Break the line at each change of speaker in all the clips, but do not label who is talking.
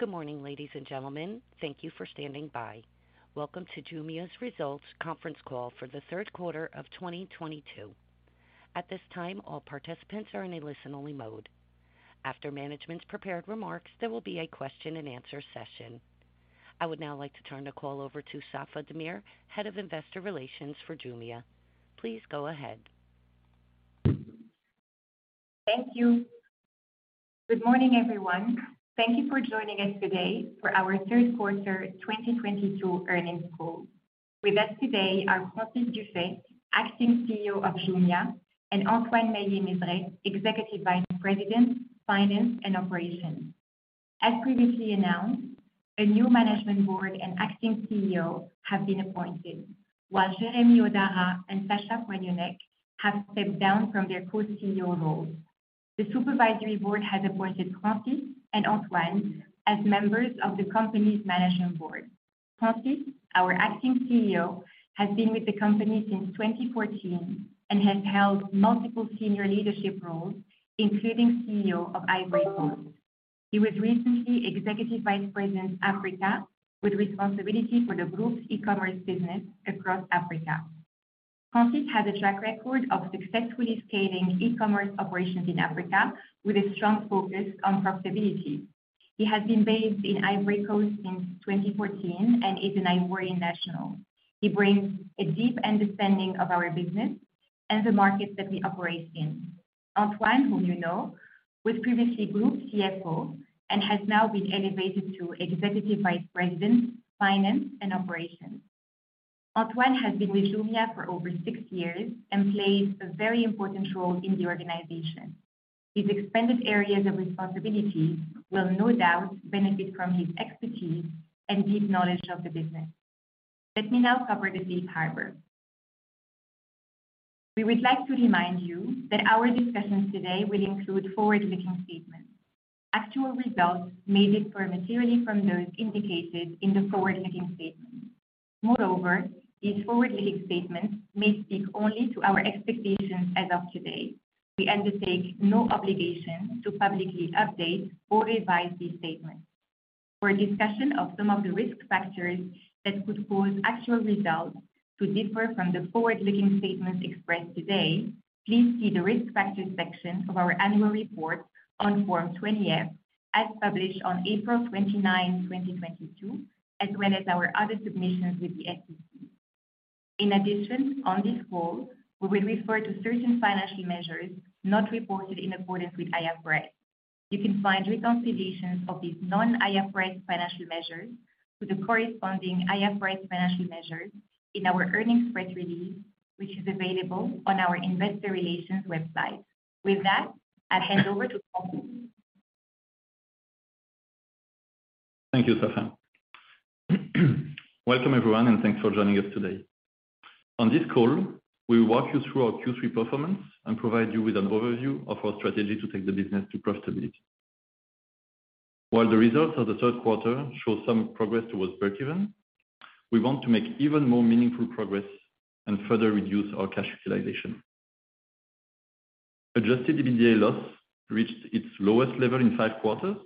Good morning, ladies and gentlemen. Thank you for standing by. Welcome to Jumia's Results Conference Call for the third quarter of 2022. At this time, all participants are in a listen-only mode. After management's prepared remarks, there will be a question and answer session. I would now like to turn the call over to Safae Damir, Head of Investor Relations for Jumia. Please go ahead.
Thank you. Good morning, everyone. Thank you for joining us today for our third quarter 2022 earnings call. With us today are Francis Dufay, Acting CEO of Jumia, and Antoine Maillet-Mezeray, Executive Vice President, Finance and Operations. As previously announced, a new management board and Acting CEO have been appointed, while Jeremy Hodara and Sacha Poignonnec have stepped down from their co-CEO roles. The supervisory board has appointed Francis and Antoine as members of the company's management board. Francis, our Acting CEO, has been with the company since 2014 and has held multiple senior leadership roles, including CEO of Ivory Coast. He was recently Executive Vice President, Africa, with responsibility for the group's e-commerce business across Africa. Francis has a track record of successfully scaling e-commerce operations in Africa with a strong focus on profitability. He has been based in Ivory Coast since 2014 and is an Ivorian national. He brings a deep understanding of our business and the markets that we operate in. Antoine, whom you know, was previously Group CFO and has now been elevated to Executive Vice President, Finance and Operations. Antoine has been with Jumia for over six years and played a very important role in the organization. These expanded areas of responsibility will no doubt benefit from his expertise and deep knowledge of the business. Let me now cover the safe harbor. We would like to remind you that our discussions today will include forward-looking statements. Actual results may differ materially from those indicated in the forward-looking statements. Moreover, these forward-looking statements may speak only to our expectations as of today. We undertake no obligation to publicly update or revise these statements. For a discussion of some of the risk factors that could cause actual results to differ from the forward-looking statements expressed today, please see the Risk Factors section of our annual report on Form 20-F as published on April twenty-nine, twenty 2022, as well as our other submissions with the SEC. In addition, on this call, we will refer to certain financial measures not reported in accordance with IFRS. You can find reconciliations of these non-IFRS financial measures to the corresponding IFRS financial measures in our earnings press release, which is available on our investor relations website. With that, I hand over to Francis.
Thank you, Safae. Welcome, everyone, and thanks for joining us today. On this call, we will walk you through our Q3 performance and provide you with an overview of our strategy to take the business to profitability. While the results of the third quarter show some progress towards breakeven, we want to make even more meaningful progress and further reduce our cash utilization. Adjusted EBITDA loss reached its lowest level in five quarters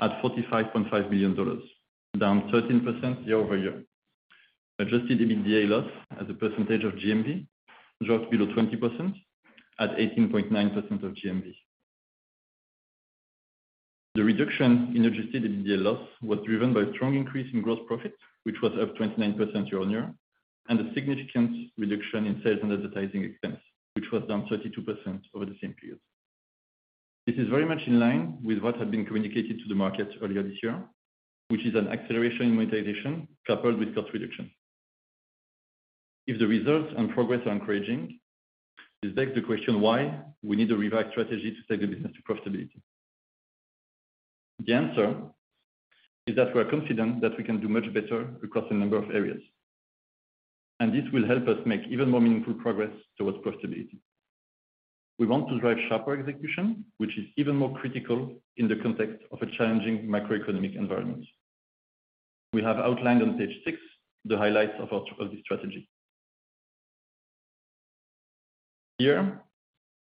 at $45.5 million, down 13% year-over-year. Adjusted EBITDA loss as a percentage of GMV dropped below 20% at 18.9% of GMV. The reduction in adjusted EBITDA loss was driven by a strong increase in gross profit, which was up 29% year-on-year, and a significant reduction in sales and advertising expense, which was down 32% over the same period. This is very much in line with what had been communicated to the market earlier this year, which is an acceleration in monetization coupled with cost reduction. If the results and progress are encouraging, it begs the question why we need a revised strategy to take the business to profitability. The answer is that we are confident that we can do much better across a number of areas, and this will help us make even more meaningful progress towards profitability. We want to drive sharper execution, which is even more critical in the context of a challenging macroeconomic environment. We have outlined on Page 6 the highlights of this strategy. Here,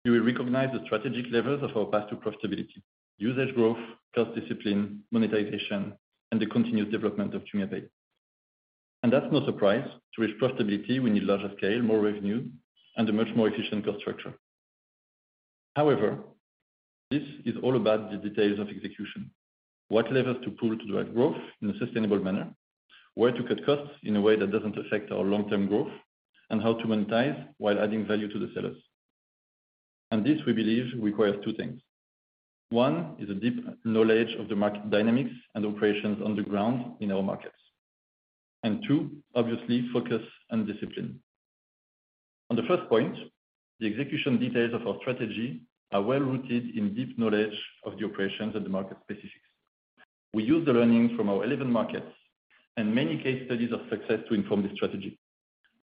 you will recognize the strategic levers of our path to profitability, usage growth, cost discipline, monetization, and the continuous development of JumiaPay. That's no surprise. To reach profitability, we need larger scale, more revenue, and a much more efficient cost structure. However, this is all about the details of execution. What levers to pull to drive growth in a sustainable manner, where to cut costs in a way that doesn't affect our long-term growth, and how to monetize while adding value to the sellers. This, we believe, requires two things. One is a deep knowledge of the market dynamics and operations on the ground in our markets. Two, obviously, focus and discipline. On the first point, the execution details of our strategy are well-rooted in deep knowledge of the operations and the market specifics. We use the learnings from our 11 markets and many case studies of success to inform the strategy.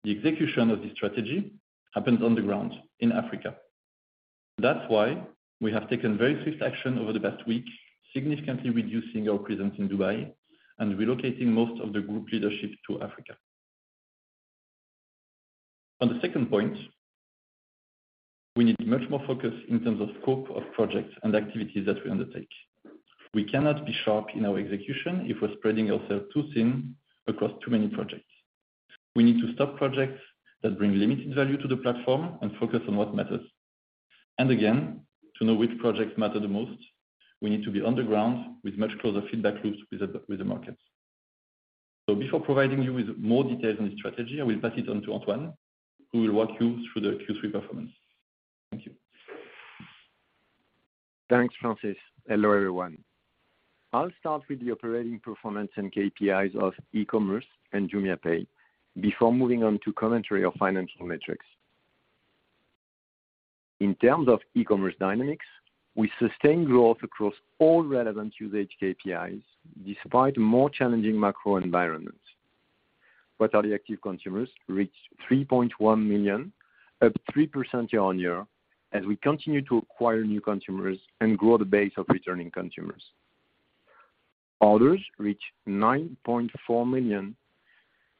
The execution of this strategy happens on the ground in Africa. That's why we have taken very swift action over the past week, significantly reducing our presence in Dubai and relocating most of the group leadership to Africa. On the second point, we need much more focus in terms of scope of projects and activities that we undertake. We cannot be sharp in our execution if we're spreading ourselves too thin across too many projects. We need to stop projects that bring limited value to the platform and focus on what matters. Again, to know which projects matter the most, we need to be on the ground with much closer feedback loops with the markets. Before providing you with more details on the strategy, I will pass it on to Antoine, who will walk you through the Q3 performance. Thank you.
Thanks, Francis. Hello, everyone. I'll start with the operating performance and KPIs of e-commerce and JumiaPay before moving on to commentary of financial metrics. In terms of e-commerce dynamics, we sustain growth across all relevant usage KPIs despite more challenging macro environments. Quarterly active consumers reached 3.1 million, up 3% year-on-year as we continue to acquire new consumers and grow the base of returning consumers. Orders reached 9.4 million,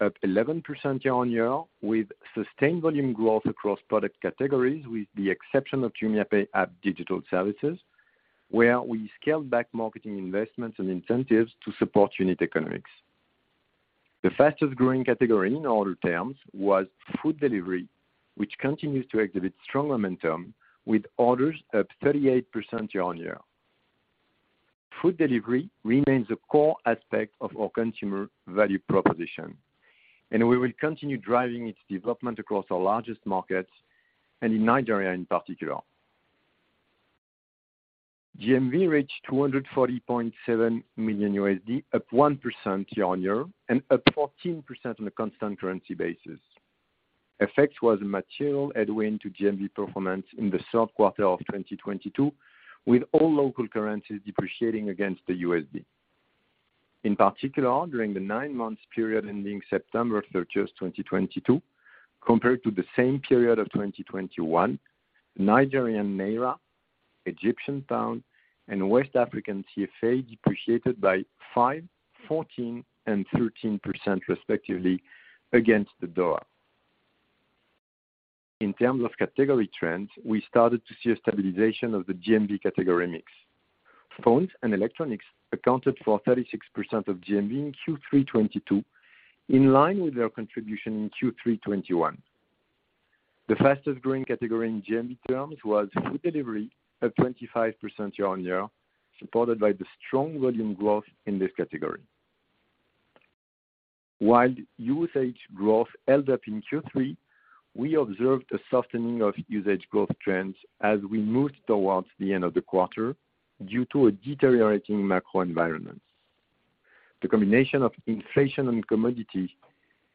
up 11% year-on-year with sustained volume growth across product categories, with the exception of JumiaPay app digital services, where we scaled back marketing investments and incentives to support unit economics. The fastest-growing category in order terms was food delivery, which continues to exhibit strong momentum with orders up 38% year-on-year. Food delivery remains a core aspect of our consumer value proposition, and we will continue driving its development across our largest markets and in Nigeria in particular. GMV reached $240.7 million, up 1% year-on-year, and up 14% on a constant currency basis. FX was a material headwind to GMV performance in the third quarter of 2022, with all local currencies depreciating against the USD. In particular, during the nine-month period ending September 30th, 2022, compared to the same period of 2021, Nigerian naira, Egyptian pound, and West African CFA depreciated by 5%, 14%, and 13% respectively against the dollar. In terms of category trends, we started to see a stabilization of the GMV category mix. Phones and electronics accounted for 36% of GMV in Q3 2022, in line with their contribution in Q3 2021. The fastest-growing category in GMV terms was food delivery, up 25% year-on-year, supported by the strong volume growth in this category. While usage growth held up in Q3, we observed a softening of usage growth trends as we moved towards the end of the quarter due to a deteriorating macro environment. The combination of inflation on commodity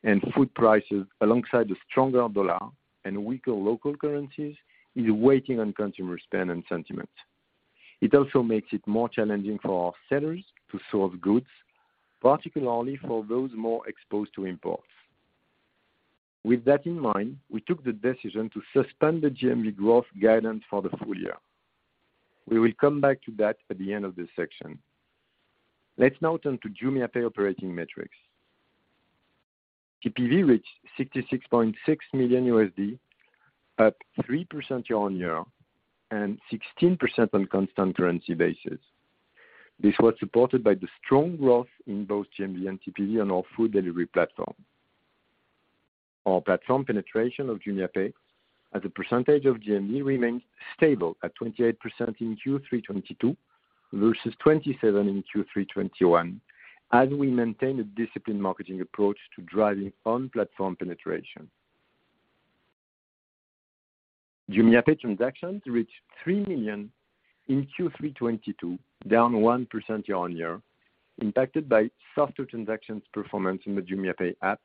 and food prices alongside the stronger dollar and weaker local currencies is weighing on consumer spend and sentiment. It also makes it more challenging for our sellers to source goods, particularly for those more exposed to imports. With that in mind, we took the decision to suspend the GMV growth guidance for the full year. We will come back to that at the end of this section. Let's now turn to JumiaPay operating metrics. GPV reached $66.6 million, up 3% year-on-year, and 16% on constant currency basis. This was supported by the strong growth in both GMV and TPV on our food delivery platform. Our platform penetration of JumiaPay as a percentage of GMV remains stable at 28% in Q3 2022 versus 27% in Q3 2021, as we maintain a disciplined marketing approach to driving on-platform penetration. JumiaPay transactions reached 3 million in Q3 2022, down 1% year-on-year, impacted by softer transactions performance in the JumiaPay app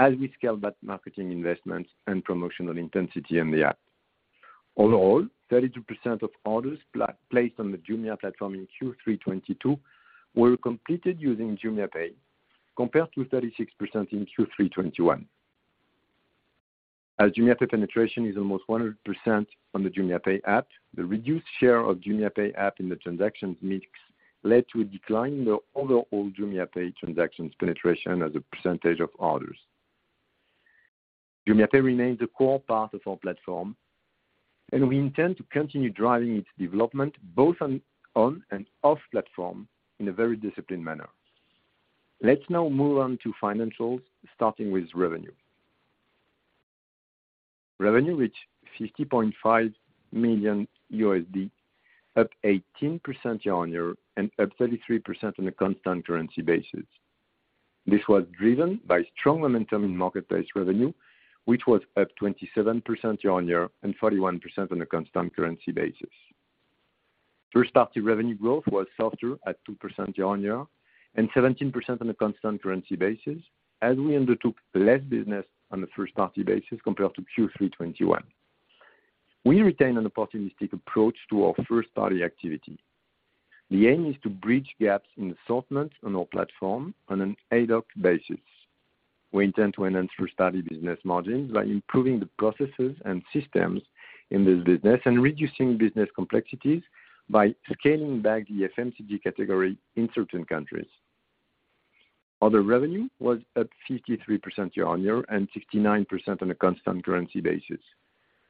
as we scale back marketing investments and promotional intensity in the app. Overall, 32% of orders placed on the Jumia platform in Q3 2022 were completed using JumiaPay, compared to 36% in Q3 2021. As JumiaPay penetration is almost 100% on the JumiaPay app, the reduced share of JumiaPay app in the transactions mix led to a decline in the overall JumiaPay transactions penetration as a percentage of orders. JumiaPay remains a core part of our platform, and we intend to continue driving its development both on and off platform in a very disciplined manner. Let's now move on to financials, starting with revenue. Revenue reached $50.5 million, up 18% year-on-year and up 33% on a constant currency basis. This was driven by strong momentum in marketplace revenue, which was up 27% year-on-year and 41% on a constant currency basis. First-party revenue growth was softer at 2% year-on-year and 17% on a constant currency basis, as we undertook less business on a first-party basis compared to Q3 2021. We retain an opportunistic approach to our first-party activity. The aim is to bridge gaps in assortment on our platform on an ad hoc basis. We intend to enhance first-party business margins by improving the processes and systems in this business and reducing business complexities by scaling back the FMCG category in certain countries. Other revenue was up 53% year-on-year and 69% on a constant currency basis,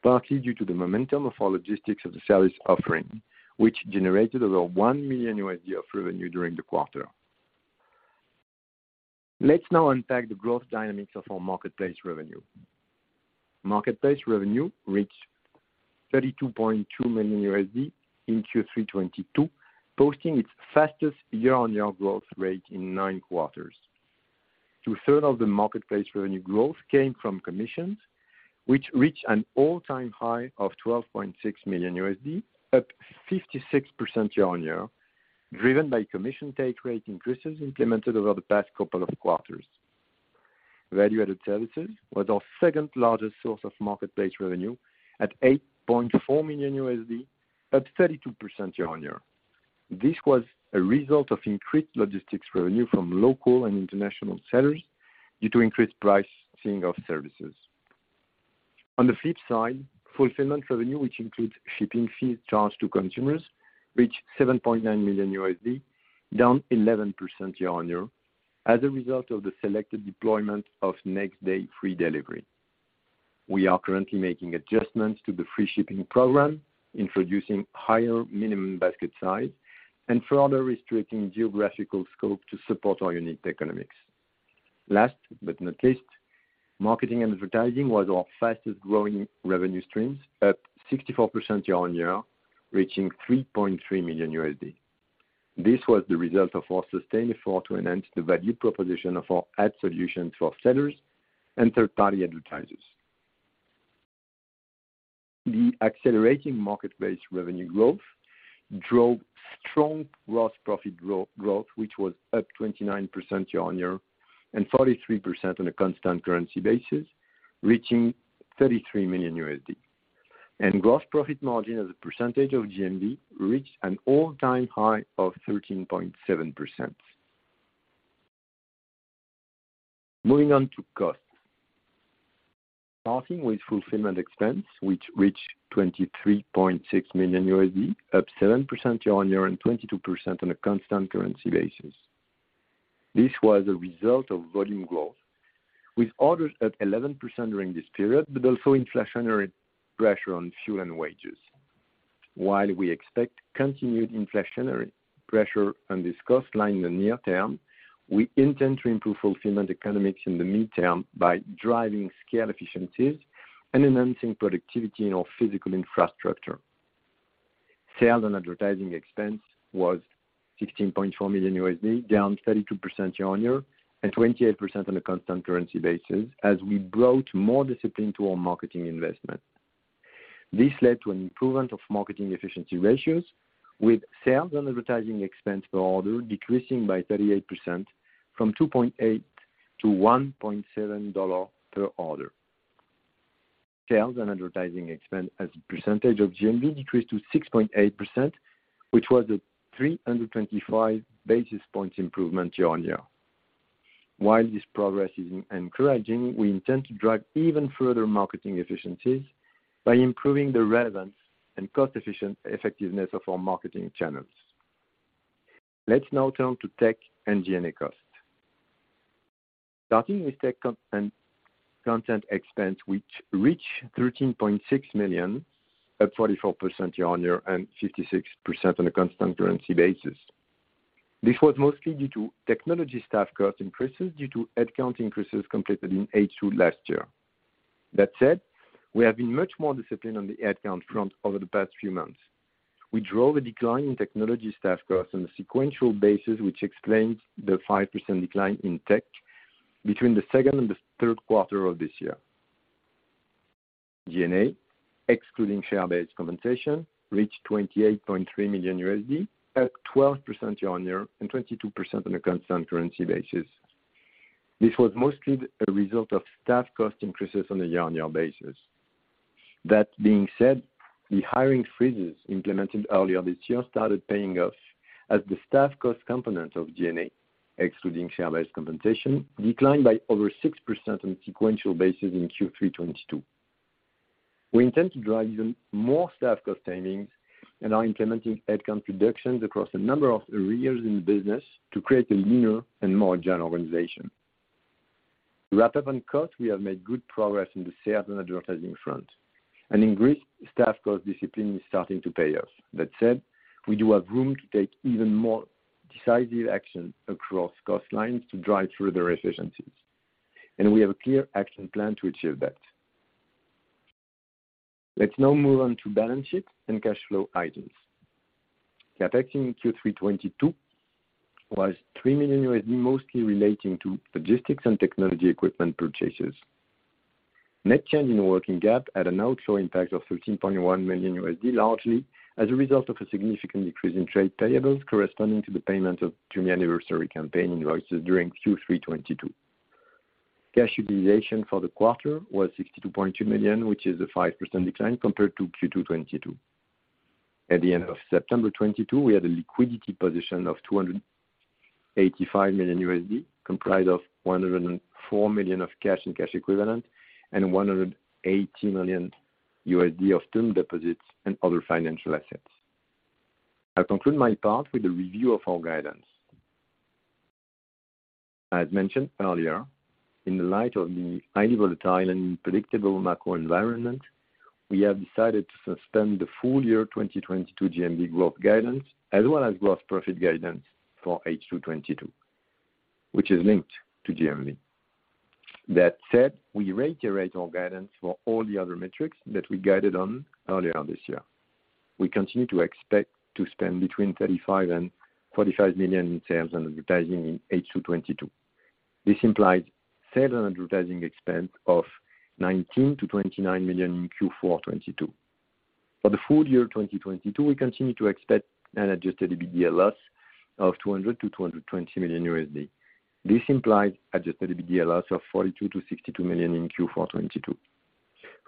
partly due to the momentum of our logistics-as-a-service offering, which generated over $1 million of revenue during the quarter. Let's now unpack the growth dynamics of our marketplace revenue. Marketplace revenue reached $32.2 million in Q3 2022, posting its fastest year-on-year growth rate in nine quarters. 2/3 of the marketplace revenue growth came from commissions, which reached an all-time high of $12.6 million, up 56% year-on-year, driven by commission take rate increases implemented over the past couple of quarters. Value-added services was our second largest source of marketplace revenue at $8.4 million, up 32% year-on-year. This was a result of increased logistics revenue from local and international sellers due to increased pricing of services. On the flip side, fulfillment revenue, which includes shipping fees charged to consumers, reached $7.9 million, down 11% year-on-year as a result of the selected deployment of next day free delivery. We are currently making adjustments to the free shipping program, introducing higher minimum basket size and further restricting geographical scope to support our unit economics. Last but not least, marketing and advertising was our fastest growing revenue streams, up 64% year-on-year, reaching $3.3 million. This was the result of our sustained effort to enhance the value proposition of our ad solution to our sellers and third-party advertisers. The accelerating marketplace revenue growth drove strong gross profit growth, which was up 29% year-on-year and 43% on a constant currency basis, reaching $33 million. Gross profit margin as a percentage of GMV reached an all-time high of 13.7%. Moving on to costs. Starting with fulfillment expense, which reached $23.6 million, up 7% year-on-year, and 22% on a constant currency basis. This was a result of volume growth with orders up 11% during this period, but also inflationary pressure on fuel and wages. While we expect continued inflationary pressure on this cost line in the near term, we intend to improve fulfillment economics in the midterm by driving scale efficiencies and enhancing productivity in our physical infrastructure. Sales and advertising expense was $16.4 million, down 32% year-on-year and 28% on a constant currency basis as we brought more discipline to our marketing investment. This led to an improvement of marketing efficiency ratios with sales and advertising expense per order decreasing by 38% from $2.8 to $1.7 per order. Sales and advertising expense as a percentage of GMV decreased to 6.8%, which was a 325 basis point improvement year-on-year. While this progress is encouraging, we intend to drive even further marketing efficiencies by improving the relevance and cost-efficient effectiveness of our marketing channels. Let's now turn to tech and G&A costs. Starting with tech content expense, which reached $13.6 million, up 44% year-on-year and 56% on a constant currency basis. This was mostly due to technology staff cost increases due to headcount increases completed in H2 last year. That said, we have been much more disciplined on the headcount front over the past few months. We drove a decline in technology staff costs on a sequential basis, which explains the 5% decline in tech between the second and the third quarter of this year. G&A, excluding share-based compensation, reached $28.3 million, up 12% year-on-year, and 22% on a constant currency basis. This was mostly a result of staff cost increases on a year-on-year basis. That being said, the hiring freezes implemented earlier this year started paying off as the staff cost component of G&A, excluding share-based compensation, declined by over 6% on a sequential basis in Q3 2022. We intend to drive even more staff cost savings and are implementing headcount reductions across a number of areas in the business to create a leaner and more agile organization. To wrap up on costs, we have made good progress in the sales and advertising front, and increased staff cost discipline is starting to pay off. That said, we do have room to take even more decisive action across cost lines to drive further efficiencies, and we have a clear action plan to achieve that. Let's now move on to balance sheet and cash flow items. CapEx in Q3 2022 was $3 million, mostly relating to logistics and technology equipment purchases. Net change in working cap had an outflow impact of $13.1 million, largely as a result of a significant decrease in trade payables corresponding to the payment of Jumia anniversary campaign invoices during Q3 2022. Cash utilization for the quarter was $62.2 million, which is a 5% decline compared to Q2 2022. At the end of September 2022, we had a liquidity position of $285 million, comprised of $104 million of cash and cash equivalents and $180 million of term deposits and other financial assets. I'll conclude my part with a review of our guidance. As mentioned earlier, in the light of the highly volatile and predictable macro environment, we have decided to suspend the full year 2022 GMV growth guidance as well as gross profit guidance for H2 2022, which is linked to GMV. That said, we reiterate our guidance for all the other metrics that we guided on earlier this year. We continue to expect to spend between $35 million and $45 million in sales and advertising in H2 2022. This implies sales and advertising expense of $19 million-$29 million in Q4 2022. For the full year 2022, we continue to expect an adjusted EBITDA loss of $200 million-$220 million. This implies adjusted EBITDA loss of $42 million-$62 million in Q4 2022.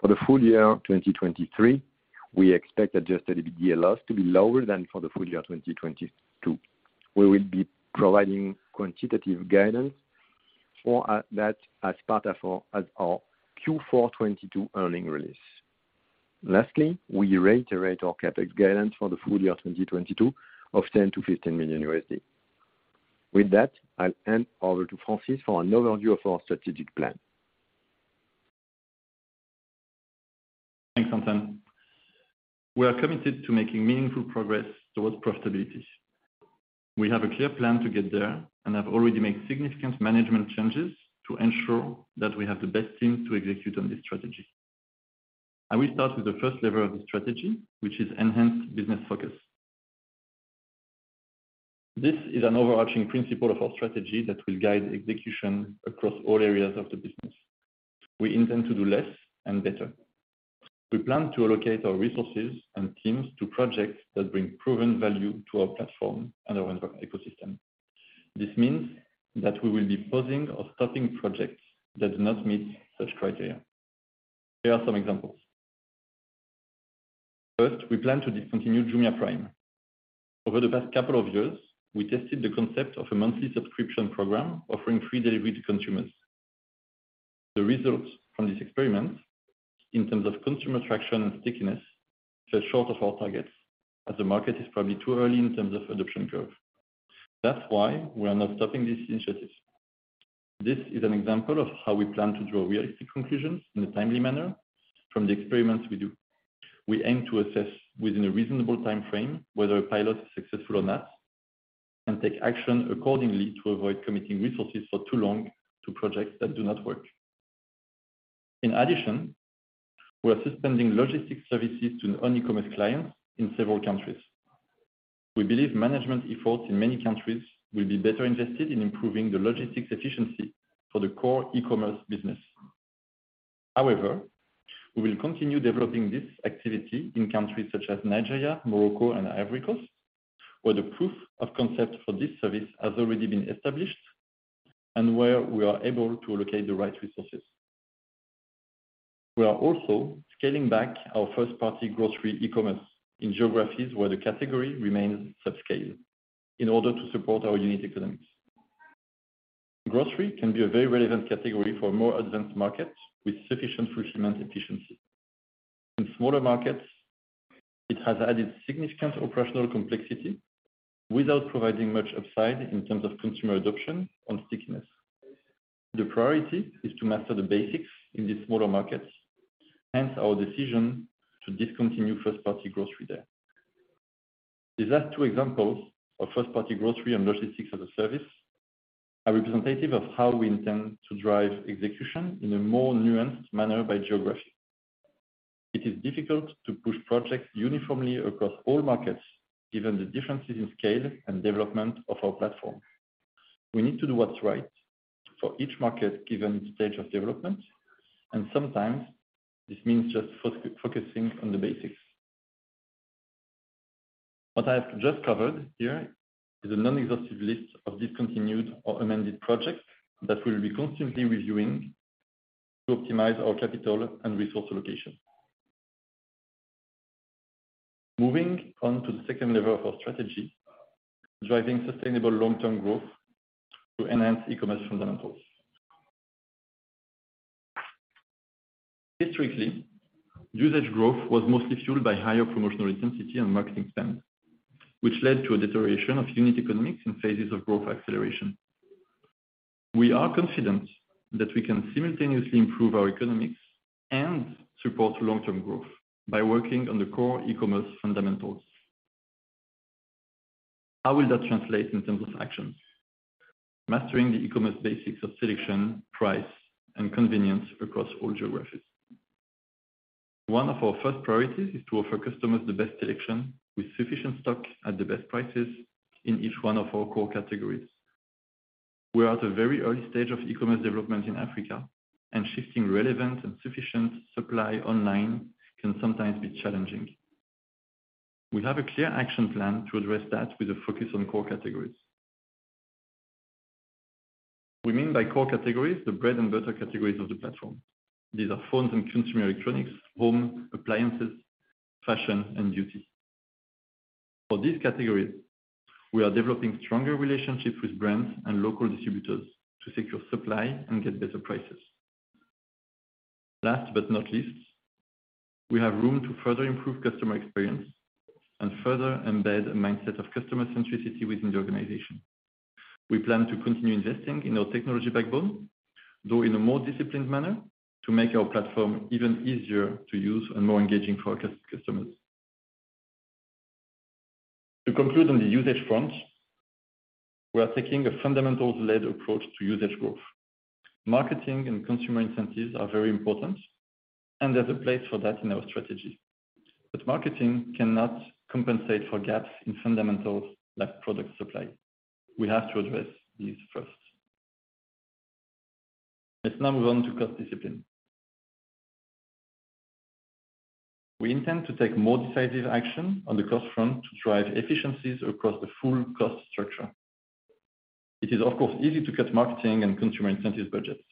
For the full year twenty-twenty-three, we expect adjusted EBITDA loss to be lower than for the full year 2022. We will be providing quantitative guidance for that as our Q4 2022 earnings release. Lastly, we reiterate our CapEx guidance for the full year 2022 of $10 million-$15 million. With that, I'll hand over to Francis for an overview of our strategic plan.
Thanks, Antoine. We are committed to making meaningful progress towards profitability. We have a clear plan to get there and have already made significant management changes to ensure that we have the best team to execute on this strategy. I will start with the first level of the strategy, which is enhanced business focus. This is an overarching principle of our strategy that will guide execution across all areas of the business. We intend to do less and better. We plan to allocate our resources and teams to projects that bring proven value to our platform and our ecosystem. This means that we will be pausing or stopping projects that do not meet such criteria. Here are some examples. First, we plan to discontinue Jumia Prime. Over the past couple of years, we tested the concept of a monthly subscription program offering free delivery to consumers. The results from this experiment in terms of consumer traction and stickiness fell short of our targets, as the market is probably too early in terms of adoption curve. That's why we are now stopping this initiative. This is an example of how we plan to draw realistic conclusions in a timely manner from the experiments we do. We aim to assess within a reasonable time frame, whether a pilot is successful or not, and take action accordingly to avoid committing resources for too long to projects that do not work. In addition, we are suspending logistics services to non-e-commerce clients in several countries. We believe management efforts in many countries will be better invested in improving the logistics efficiency for the core e-commerce business. However, we will continue developing this activity in countries such as Nigeria, Morocco, and Ivory Coast, where the proof of concept for this service has already been established and where we are able to allocate the right resources. We are also scaling back our first-party grocery e-commerce in geographies where the category remains subscale in order to support our unit economics. Grocery can be a very relevant category for more advanced markets with sufficient fulfillment efficiency. In smaller markets, it has added significant operational complexity without providing much upside in terms of consumer adoption and stickiness. The priority is to master the basics in these smaller markets, hence our decision to discontinue first-party grocery there. These last two examples of first-party grocery and logistics-as-a-service are representative of how we intend to drive execution in a more nuanced manner by geography. It is difficult to push projects uniformly across all markets, given the differences in scale and development of our platform. We need to do what's right for each market, given the stage of development, and sometimes this means just focusing on the basics. What I have just covered here is a non-exhaustive list of discontinued or amended projects that we'll be constantly reviewing to optimize our capital and resource allocation. Moving on to the second level of our strategy, driving sustainable long-term growth through enhanced e-commerce fundamentals. Historically, usage growth was mostly fueled by higher promotional intensity and marketing spend, which led to a deterioration of unit economics in phases of growth acceleration. We are confident that we can simultaneously improve our economics and support long-term growth by working on the core e-commerce fundamentals. How will that translate in terms of actions? Mastering the e-commerce basics of selection, price, and convenience across all geographies. One of our first priorities is to offer customers the best selection with sufficient stock at the best prices in each one of our core categories. We are at a very early stage of e-commerce development in Africa, and shifting relevant and sufficient supply online can sometimes be challenging. We have a clear action plan to address that with a focus on core categories. We mean by core categories, the bread and butter categories of the platform. These are phones and consumer electronics, home appliances, fashion, and beauty. For these categories, we are developing stronger relationships with brands and local distributors to secure supply and get better prices. Last but not least, we have room to further improve customer experience and further embed a mindset of customer centricity within the organization. We plan to continue investing in our technology backbone, though in a more disciplined manner, to make our platform even easier to use and more engaging for our customers. To conclude on the usage front, we are taking a fundamentals-led approach to usage growth. Marketing and consumer incentives are very important, and there's a place for that in our strategy. Marketing cannot compensate for gaps in fundamentals like product supply. We have to address these first. Let's now move on to cost discipline. We intend to take more decisive action on the cost front to drive efficiencies across the full cost structure. It is, of course, easy to cut marketing and consumer incentive budgets.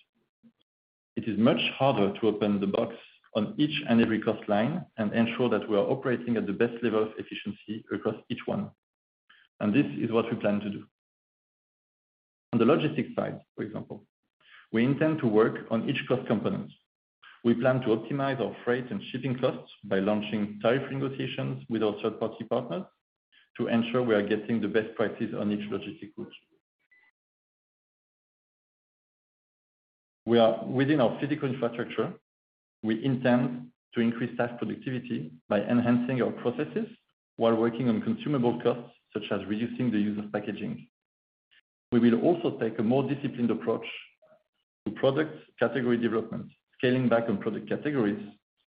It is much harder to open the box on each and every cost line and ensure that we are operating at the best level of efficiency across each one. This is what we plan to do. On the logistics side, for example, we intend to work on each cost component. We plan to optimize our freight and shipping costs by launching tariff renegotiations with our third-party partners to ensure we are getting the best prices on each logistic route. Within our physical infrastructure, we intend to increase staff productivity by enhancing our processes while working on consumable costs, such as reducing the use of packaging. We will also take a more disciplined approach to product category development, scaling back on product categories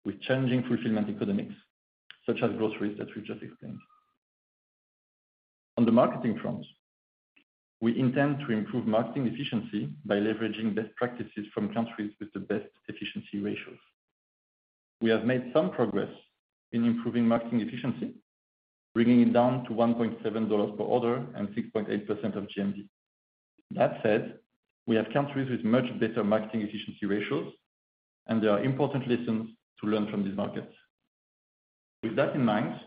with changing fulfillment economics, such as groceries that we've just explained. On the marketing front, we intend to improve marketing efficiency by leveraging best practices from countries with the best efficiency ratios. We have made some progress in improving marketing efficiency, bringing it down to $1.7 per order and 6.8% of GMV. That said, we have countries with much better marketing efficiency ratios, and there are important lessons to learn from these markets. With that in mind,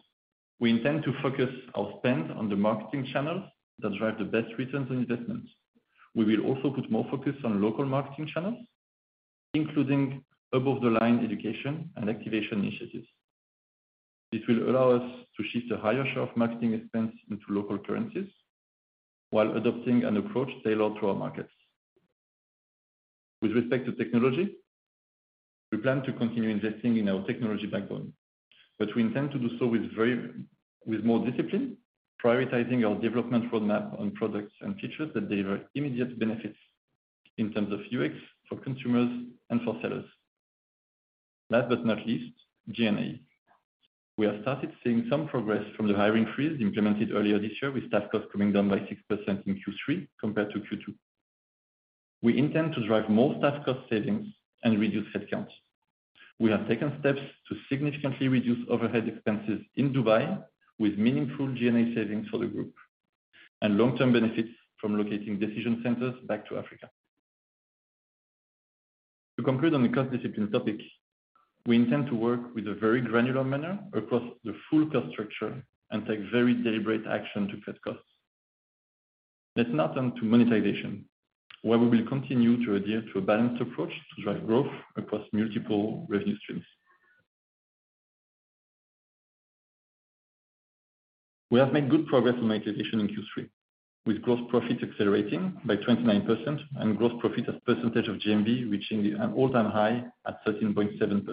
we intend to focus our spend on the marketing channels that drive the best returns on investments. We will also put more focus on local marketing channels, including above-the-line education and activation initiatives. This will allow us to shift a higher share of marketing expense into local currencies while adopting an approach tailored to our markets. With respect to technology, we plan to continue investing in our technology backbone, but we intend to do so with more discipline, prioritizing our development roadmap on products and features that deliver immediate benefits in terms of UX for consumers and for sellers. Last but not least, G&A. We have started seeing some progress from the hiring freeze implemented earlier this year, with staff costs coming down by 6% in Q3 compared to Q2. We intend to drive more staff cost savings and reduce headcounts. We have taken steps to significantly reduce overhead expenses in Dubai with meaningful G&A savings for the group and long-term benefits from locating decision centers back to Africa. To conclude on the cost discipline topic, we intend to work with a very granular manner across the full cost structure and take very deliberate action to cut costs. Let's now turn to monetization, where we will continue to adhere to a balanced approach to drive growth across multiple revenue streams. We have made good progress on monetization in Q3 with gross profit accelerating by 29% and gross profit as percentage of GMV reaching an all-time high at 13.7%.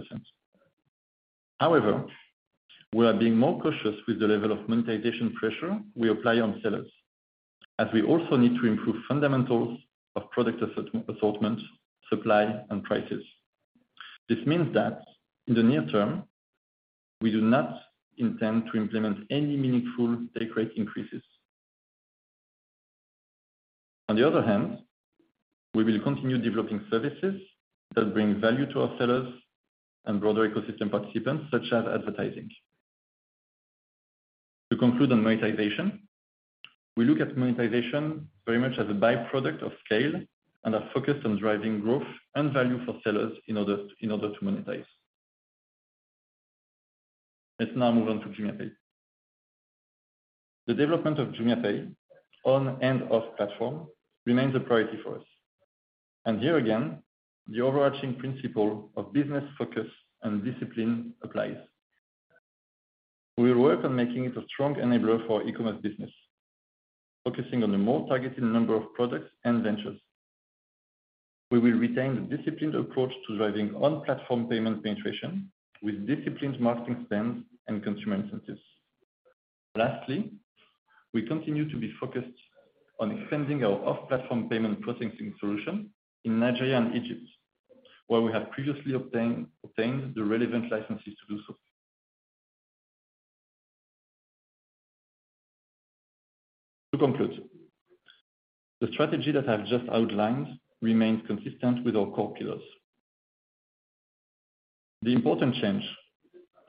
However, we are being more cautious with the level of monetization pressure we apply on sellers as we also need to improve fundamentals of product assortment, supply and prices. This means that in the near term, we do not intend to implement any meaningful take rate increases. On the other hand, we will continue developing services that bring value to our sellers and broader ecosystem participants, such as advertising. To conclude on monetization, we look at monetization very much as a byproduct of scale and are focused on driving growth and value for sellers in order to monetize. Let's now move on to JumiaPay. The development of JumiaPay on and off platform remains a priority for us. Here again, the overarching principle of business focus and discipline applies. We will work on making it a strong enabler for our e-commerce business, focusing on a more targeted number of products and ventures. We will retain the disciplined approach to driving on platform payment penetration with disciplined marketing spends and consumer incentives. Lastly, we continue to be focused on extending our off platform payment processing solution in Nigeria and Egypt, where we have previously obtained the relevant licenses to do so. To conclude, the strategy that I've just outlined remains consistent with our core pillars. The important change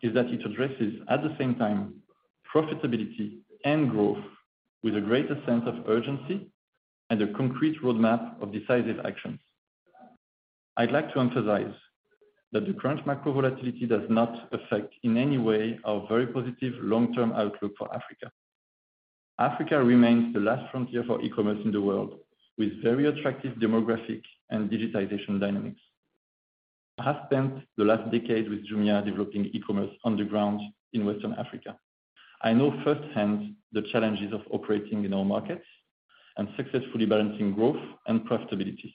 is that it addresses at the same time profitability and growth with a greater sense of urgency and a concrete roadmap of decisive actions. I'd like to emphasize that the current macro volatility does not affect in any way our very positive long-term outlook for Africa. Africa remains the last frontier for e-commerce in the world, with very attractive demographic and digitization dynamics. I have spent the last decade with Jumia developing e-commerce on the ground in Western Africa. I know firsthand the challenges of operating in our markets and successfully balancing growth and profitability.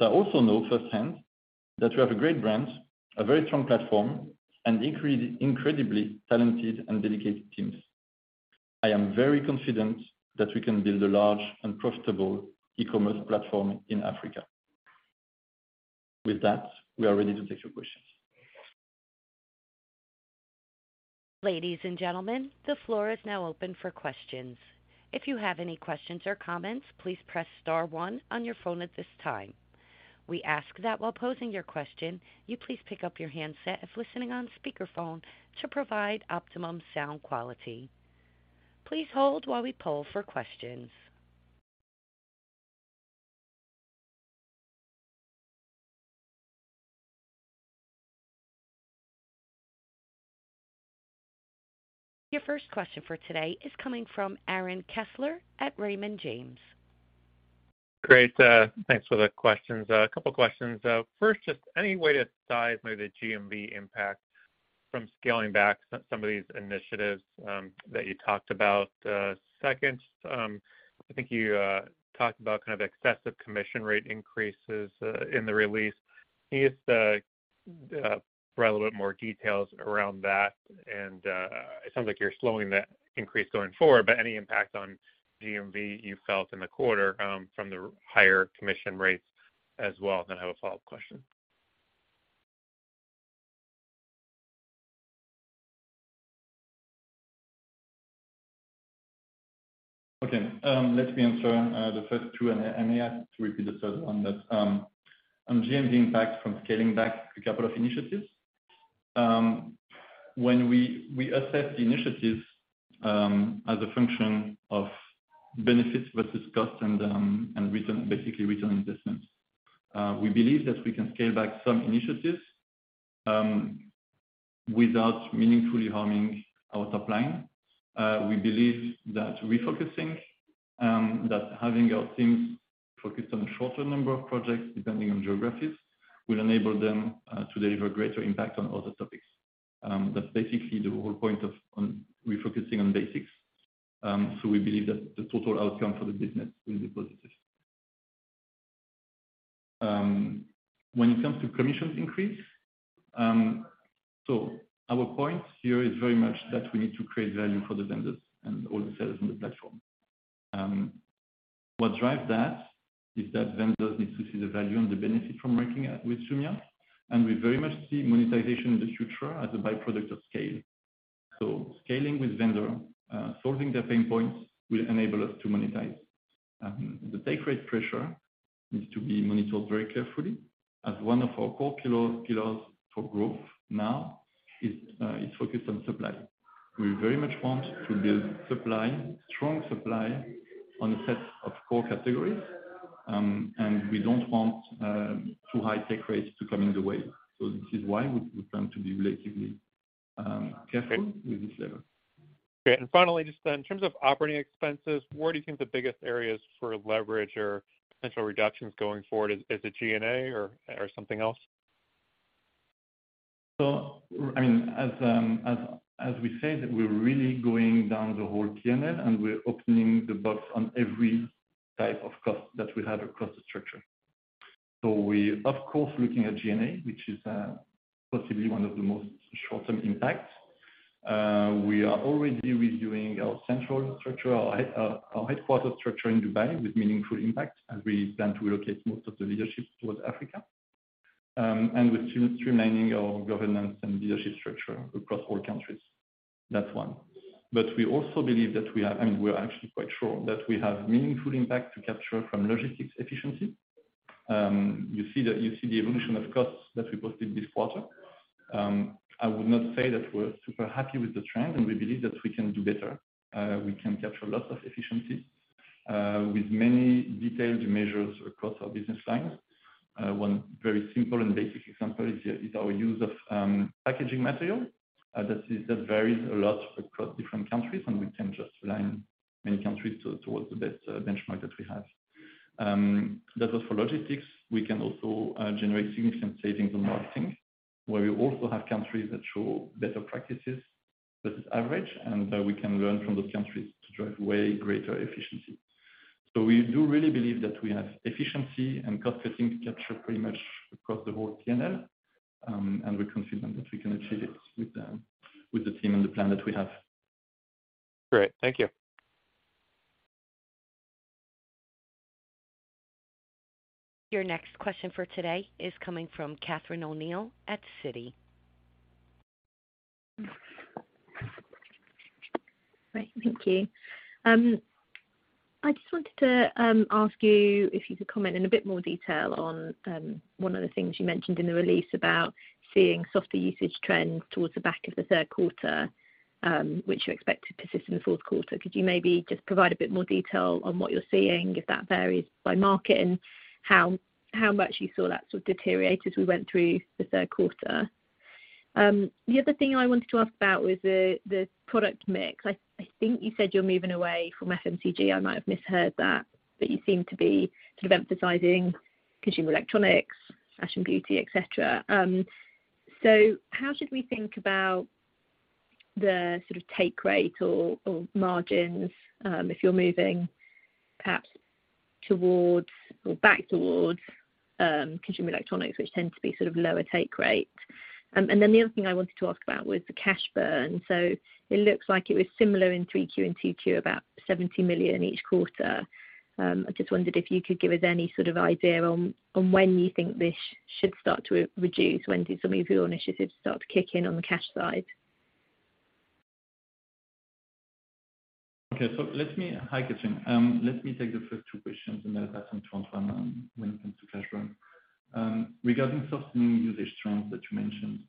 I also know firsthand that we have a great brand, a very strong platform, and incredibly talented and dedicated teams. I am very confident that we can build a large and profitable e-commerce platform in Africa. With that, we are ready to take your questions.
Ladies and gentlemen, the floor is now open for questions. If you have any questions or comments, please press star one on your phone at this time. We ask that while posing your question, you please pick up your handset if listening on speakerphone to provide optimum sound quality. Please hold while we poll for questions. Your first question for today is coming from Aaron Kessler at Raymond James.
Great. Thanks for the questions. A couple of questions. First, just any way to size maybe the GMV impact from scaling back some of these initiatives that you talked about? Second, I think you talked about kind of excessive commission rate increases in the release. Can you just provide a little bit more details around that? It sounds like you're slowing that increase going forward, but any impact on GMV you felt in the quarter from the higher commission rates as well? I have a follow-up question.
Okay. Let me answer the first two, and I may ask to repeat the third one. On GMV impact from scaling back a couple of initiatives. When we assess initiatives as a function of benefits versus cost and return, basically return on investment, we believe that we can scale back some initiatives without meaningfully harming our top line. We believe that refocusing, that having our teams focused on a shorter number of projects, depending on geographies, will enable them to deliver greater impact on all the topics. That's basically the whole point of refocusing on basics. We believe that the total outcome for the business will be positive. When it comes to commissions increase, our point here is very much that we need to create value for the vendors and all the sellers on the platform. What drives that is that vendors need to see the value and the benefit from working with Jumia, and we very much see monetization in the future as a byproduct of scale. Scaling with vendor, solving their pain points, will enable us to monetize. The take rate pressure needs to be monitored very carefully as one of our core pillars for growth now is focused on supply. We very much want to build strong supply on a set of core categories, and we don't want too high take rates to come in the way. This is why we plan to be relatively careful with this level.
Great. Finally, just in terms of operating expenses, where do you think the biggest areas for leverage or potential reductions going forward is? Is it G&A or something else?
I mean, as we said, we're really going down the whole P&L, and we're opening the box on every type of cost that we have across the structure. We are, of course, looking at G&A, which is possibly one of the most short-term impacts. We are already reviewing our central structure, our headquarters structure in Dubai with meaningful impact as we plan to relocate most of the leadership towards Africa. With streamlining our governance and leadership structure across all countries. That's one. We also believe that we have, I mean, we're actually quite sure that we have meaningful impact to capture from logistics efficiency. You see the evolution of costs that we posted this quarter. I would not say that we're super happy with the trend, and we believe that we can do better. We can capture a lot of efficiency with many detailed measures across our business lines. One very simple and basic example is our use of packaging material that varies a lot across different countries, and we can just align many countries towards the best benchmark that we have. That was for logistics. We can also generate significant savings on marketing, where we also have countries that show better practices versus average, and we can learn from those countries to drive way greater efficiency. We do really believe that we have efficiency and cost-saving capture pretty much across the whole P&L, and we're confident that we can achieve it with the team and the plan that we have.
Great. Thank you.
Your next question for today is coming from Catherine O'Neill at Citi.
Right. Thank you. I just wanted to ask you if you could comment in a bit more detail on one of the things you mentioned in the release about seeing softer usage trends towards the back of the third quarter, which you expect to persist in the fourth quarter. Could you maybe just provide a bit more detail on what you're seeing, if that varies by market and how much you saw that sort of deteriorate as we went through the third quarter? The other thing I wanted to ask about was the product mix. I think you said you're moving away from FMCG. I might have misheard that, but you seem to be sort of emphasizing consumer electronics, fashion, beauty, et cetera. How should we think about the sort of take rate or margins if you're moving perhaps towards or back towards consumer electronics, which tend to be sort of lower take rate? The other thing I wanted to ask about was the cash burn. It looks like it was similar in 3Q and 2Q, about $70 million each quarter. I just wondered if you could give us any sort of idea on when you think this should start to reduce. When do some of your initiatives start to kick in on the cash side?
Hi, Catherine. Let me take the first two questions and then pass on to Antoine when it comes to cash burn. Regarding softening usage trends that you mentioned,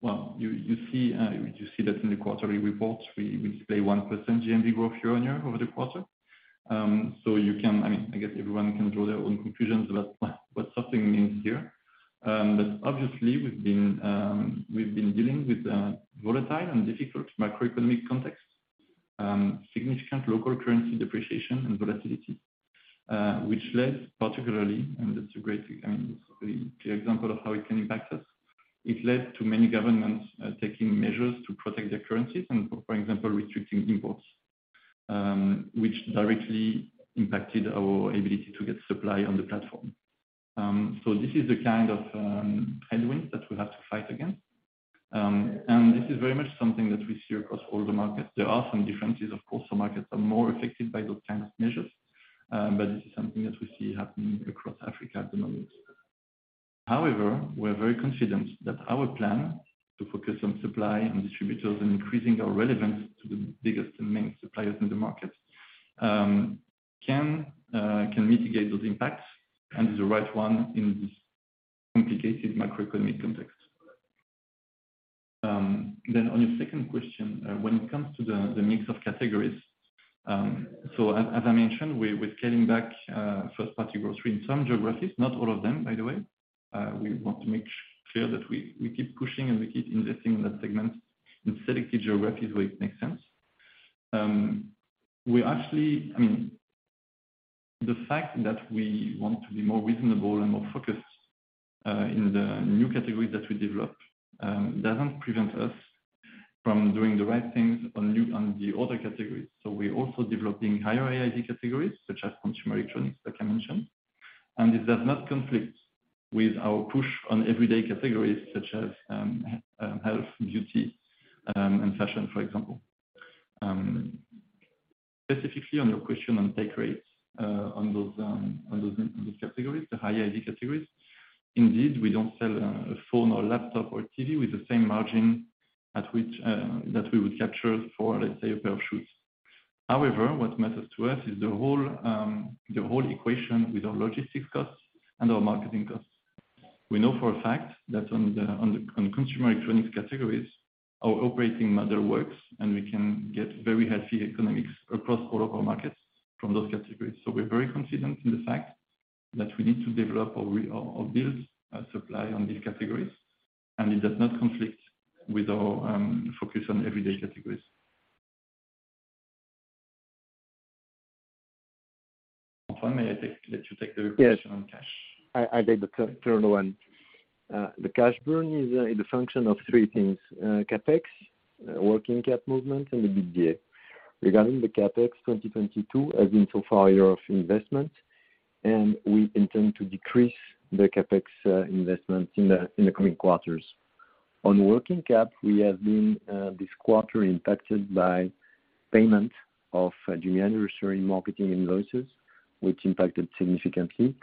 well, you see that in the quarterly reports, we display 1% GMV growth year-on-year over the quarter. I mean, I guess everyone can draw their own conclusions about what softening means here. Obviously, we've been dealing with volatile and difficult macroeconomic context, significant local currency depreciation and volatility, which led particularly, and that's a great, I mean, clear example of how it can impact us. It led to many governments taking measures to protect their currencies and, for example, restricting imports, which directly impacted our ability to get supply on the platform. This is the kind of headwind that we have to fight against. This is very much something that we see across all the markets. There are some differences of course. Some markets are more affected by those kinds of measures, but this is something that we see happening across Africa at the moment. However, we're very confident that our plan to focus on supply and distributors and increasing our relevance to the biggest and main suppliers in the market can mitigate those impacts and is the right one in this complicated macroeconomic context. On your second question, when it comes to the mix of categories, as I mentioned, we're scaling back first-party grocery in some geographies, not all of them, by the way. We want to make sure that we keep pushing and we keep investing in that segment in selected geographies where it makes sense. We actually, I mean, the fact that we want to be more reasonable and more focused in the new categories that we develop doesn't prevent us from doing the right things on the other categories. We're also developing higher AOV categories such as consumer electronics, like I mentioned. This does not conflict with our push on everyday categories such as health, beauty, and fashion, for example. Specifically on your question on take rates on those categories, the higher AOV categories, indeed, we don't sell a phone or laptop or TV with the same margin at which that we would capture for, let's say, a pair of shoes. What matters to us is the whole equation with our logistics costs and our marketing costs. We know for a fact that on consumer electronics categories, our operating model works, and we can get very healthy economics across all of our markets from those categories. We're very confident in the fact that we need to develop or build a supply on these categories, and it does not conflict with our focus on everyday categories. Antoine, may I let you take the question on cash?
Yes. I take the third one. The cash burn is a function of three things, CapEx, working cap movement, and the EBITDA. Regarding the CapEx, 2022 has been so far a year of investment, and we intend to decrease the CapEx investments in the coming quarters. On working cap, we have been this quarter impacted by payment of January's anniversary's marketing invoices, which impacted significantly.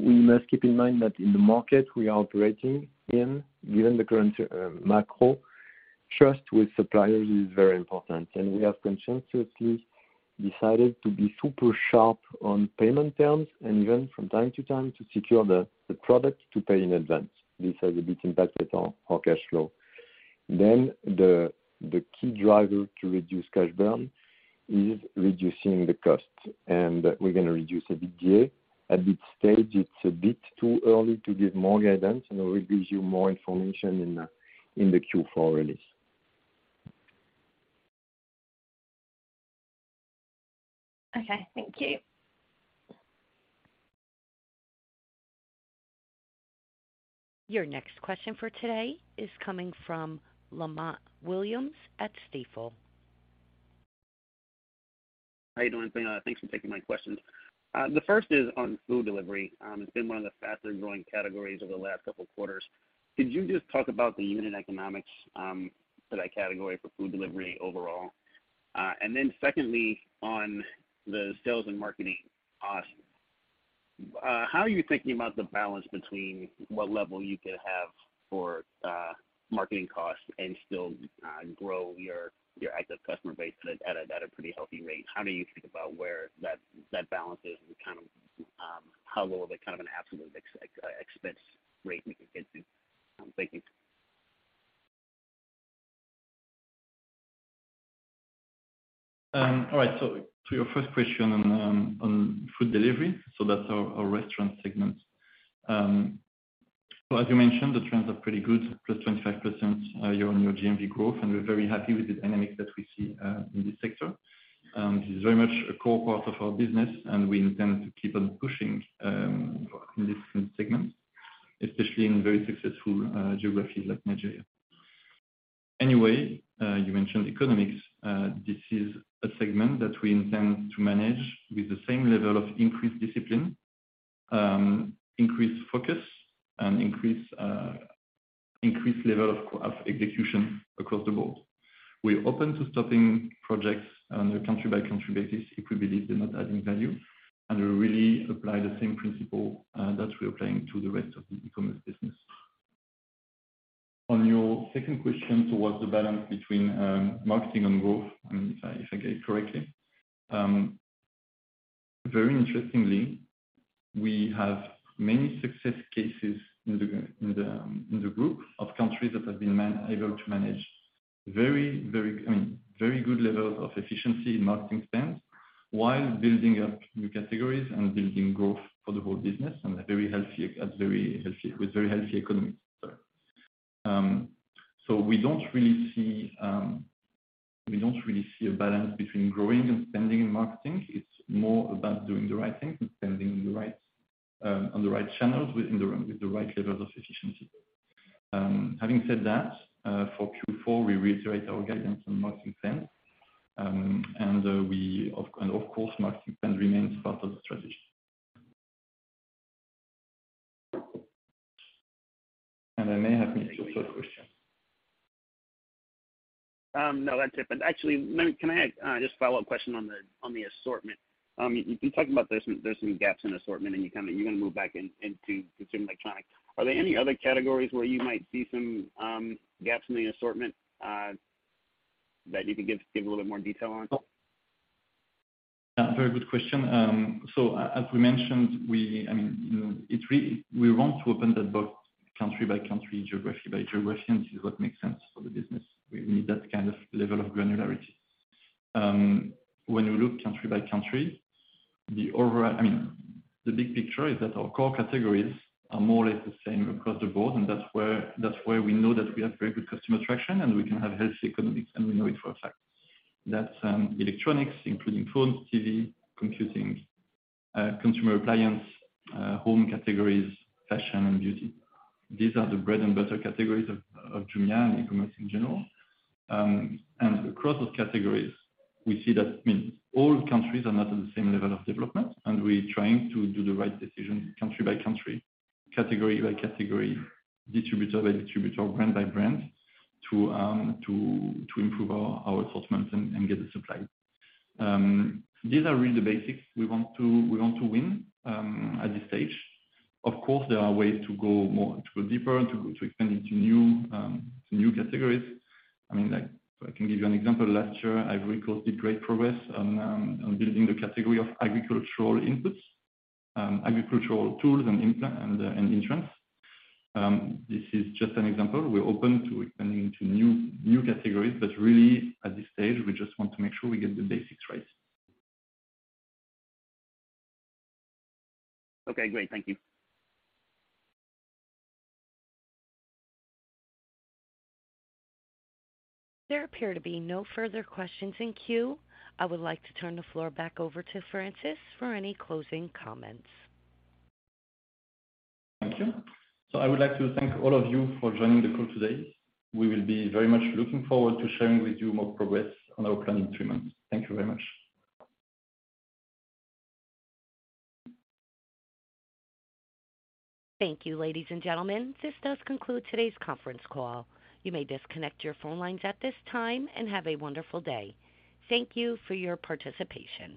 We must keep in mind that in the market we are operating in, given the current macro, trust with suppliers is very important. We have conscientiously decided to be super sharp on payment terms and even from time to time to secure the product to pay in advance. This has a big impact at our cash flow. The key driver to reduce cash burn is reducing the cost, and we're gonna reduce EBITDA. At this stage, it's a bit too early to give more guidance, and we'll give you more information in the Q4 release.
Okay. Thank you.
Your next question for today is coming from Lamont Williams at Stifel.
How are you doing? Thanks for taking my questions. The first is on food delivery. It's been one of the faster-growing categories over the last couple of quarters. Could you just talk about the unit economics for that category for food delivery overall? Secondly, on the sales and marketing costs, how are you thinking about the balance between what level you could have for marketing costs and still grow your active customer base at a pretty healthy rate? How do you think about where that balance is and kind of how low of a kind of an absolute expense rate we can get to? Thank you.
All right. To your first question on food delivery, so that's our restaurant segment. As you mentioned, the trends are pretty good, +25% year-over-year GMV growth, and we're very happy with the dynamics that we see in this sector. This is very much a core part of our business, and we intend to keep on pushing in this segment, especially in very successful geographies like Nigeria. Anyway, you mentioned economics. This is a segment that we intend to manage with the same level of increased discipline, increased focus and increased level of execution across the board. We're open to stopping projects on a country-by-country basis if we believe they're not adding value, and we really apply the same principle that we are applying to the rest of the e-commerce business. On your second question towards the balance between marketing and growth, I mean, if I get it correctly, very interestingly, we have many success cases in the group of countries that have been able to manage I mean, very good levels of efficiency in marketing spend while building up new categories and building growth for the whole business and with very healthy economics. We don't really see a balance between growing and spending in marketing. It's more about doing the right thing and spending on the right channels with the right levels of efficiency. Having said that, for Q4, we reiterate our guidance on marketing spend. Of course, marketing spend remains part of the strategy. I may have missed your third question.
No, that's it. Actually, can I ask just a follow-up question on the assortment? You talked about there's some gaps in assortment and you kinda, you're gonna move back into consumer electronic. Are there any other categories where you might see some gaps in the assortment that you can give a little bit more detail on?
Yeah, very good question. As we mentioned, we, I mean, you know, we want to open that book country by country, geography by geography, and this is what makes sense for the business. We need that kind of level of granularity. When you look country by country, I mean, the big picture is that our core categories are more or less the same across the board, and that's where we know that we have very good customer traction, and we can have healthy economics, and we know it for a fact. That's electronics, including phones, TV, computing, consumer appliance, home categories, fashion and beauty. These are the bread and butter categories of Jumia and e-commerce in general. Across those categories, we see that, I mean, all countries are not on the same level of development, and we're trying to do the right decision country by country, category by category, distributor by distributor, brand by brand to improve our assortments and get the supply. These are really the basics we want to win at this stage. Of course, there are ways to go more, to go deeper, to expand into new categories. I mean, like, I can give you an example. Last year, Ivory Coast did great progress on building the category of agricultural inputs, agricultural tools and insurance. This is just an example. We're open to expanding into new categories, but really at this stage, we just want to make sure we get the basics right.
Okay, great. Thank you.
There appear to be no further questions in queue. I would like to turn the floor back over to Francis for any closing comments.
Thank you. I would like to thank all of you for joining the call today. We will be very much looking forward to sharing with you more progress on our plan and strategy. Thank you very much.
Thank you, ladies and gentlemen. This does conclude today's conference call. You may disconnect your phone lines at this time, and have a wonderful day. Thank you for your participation.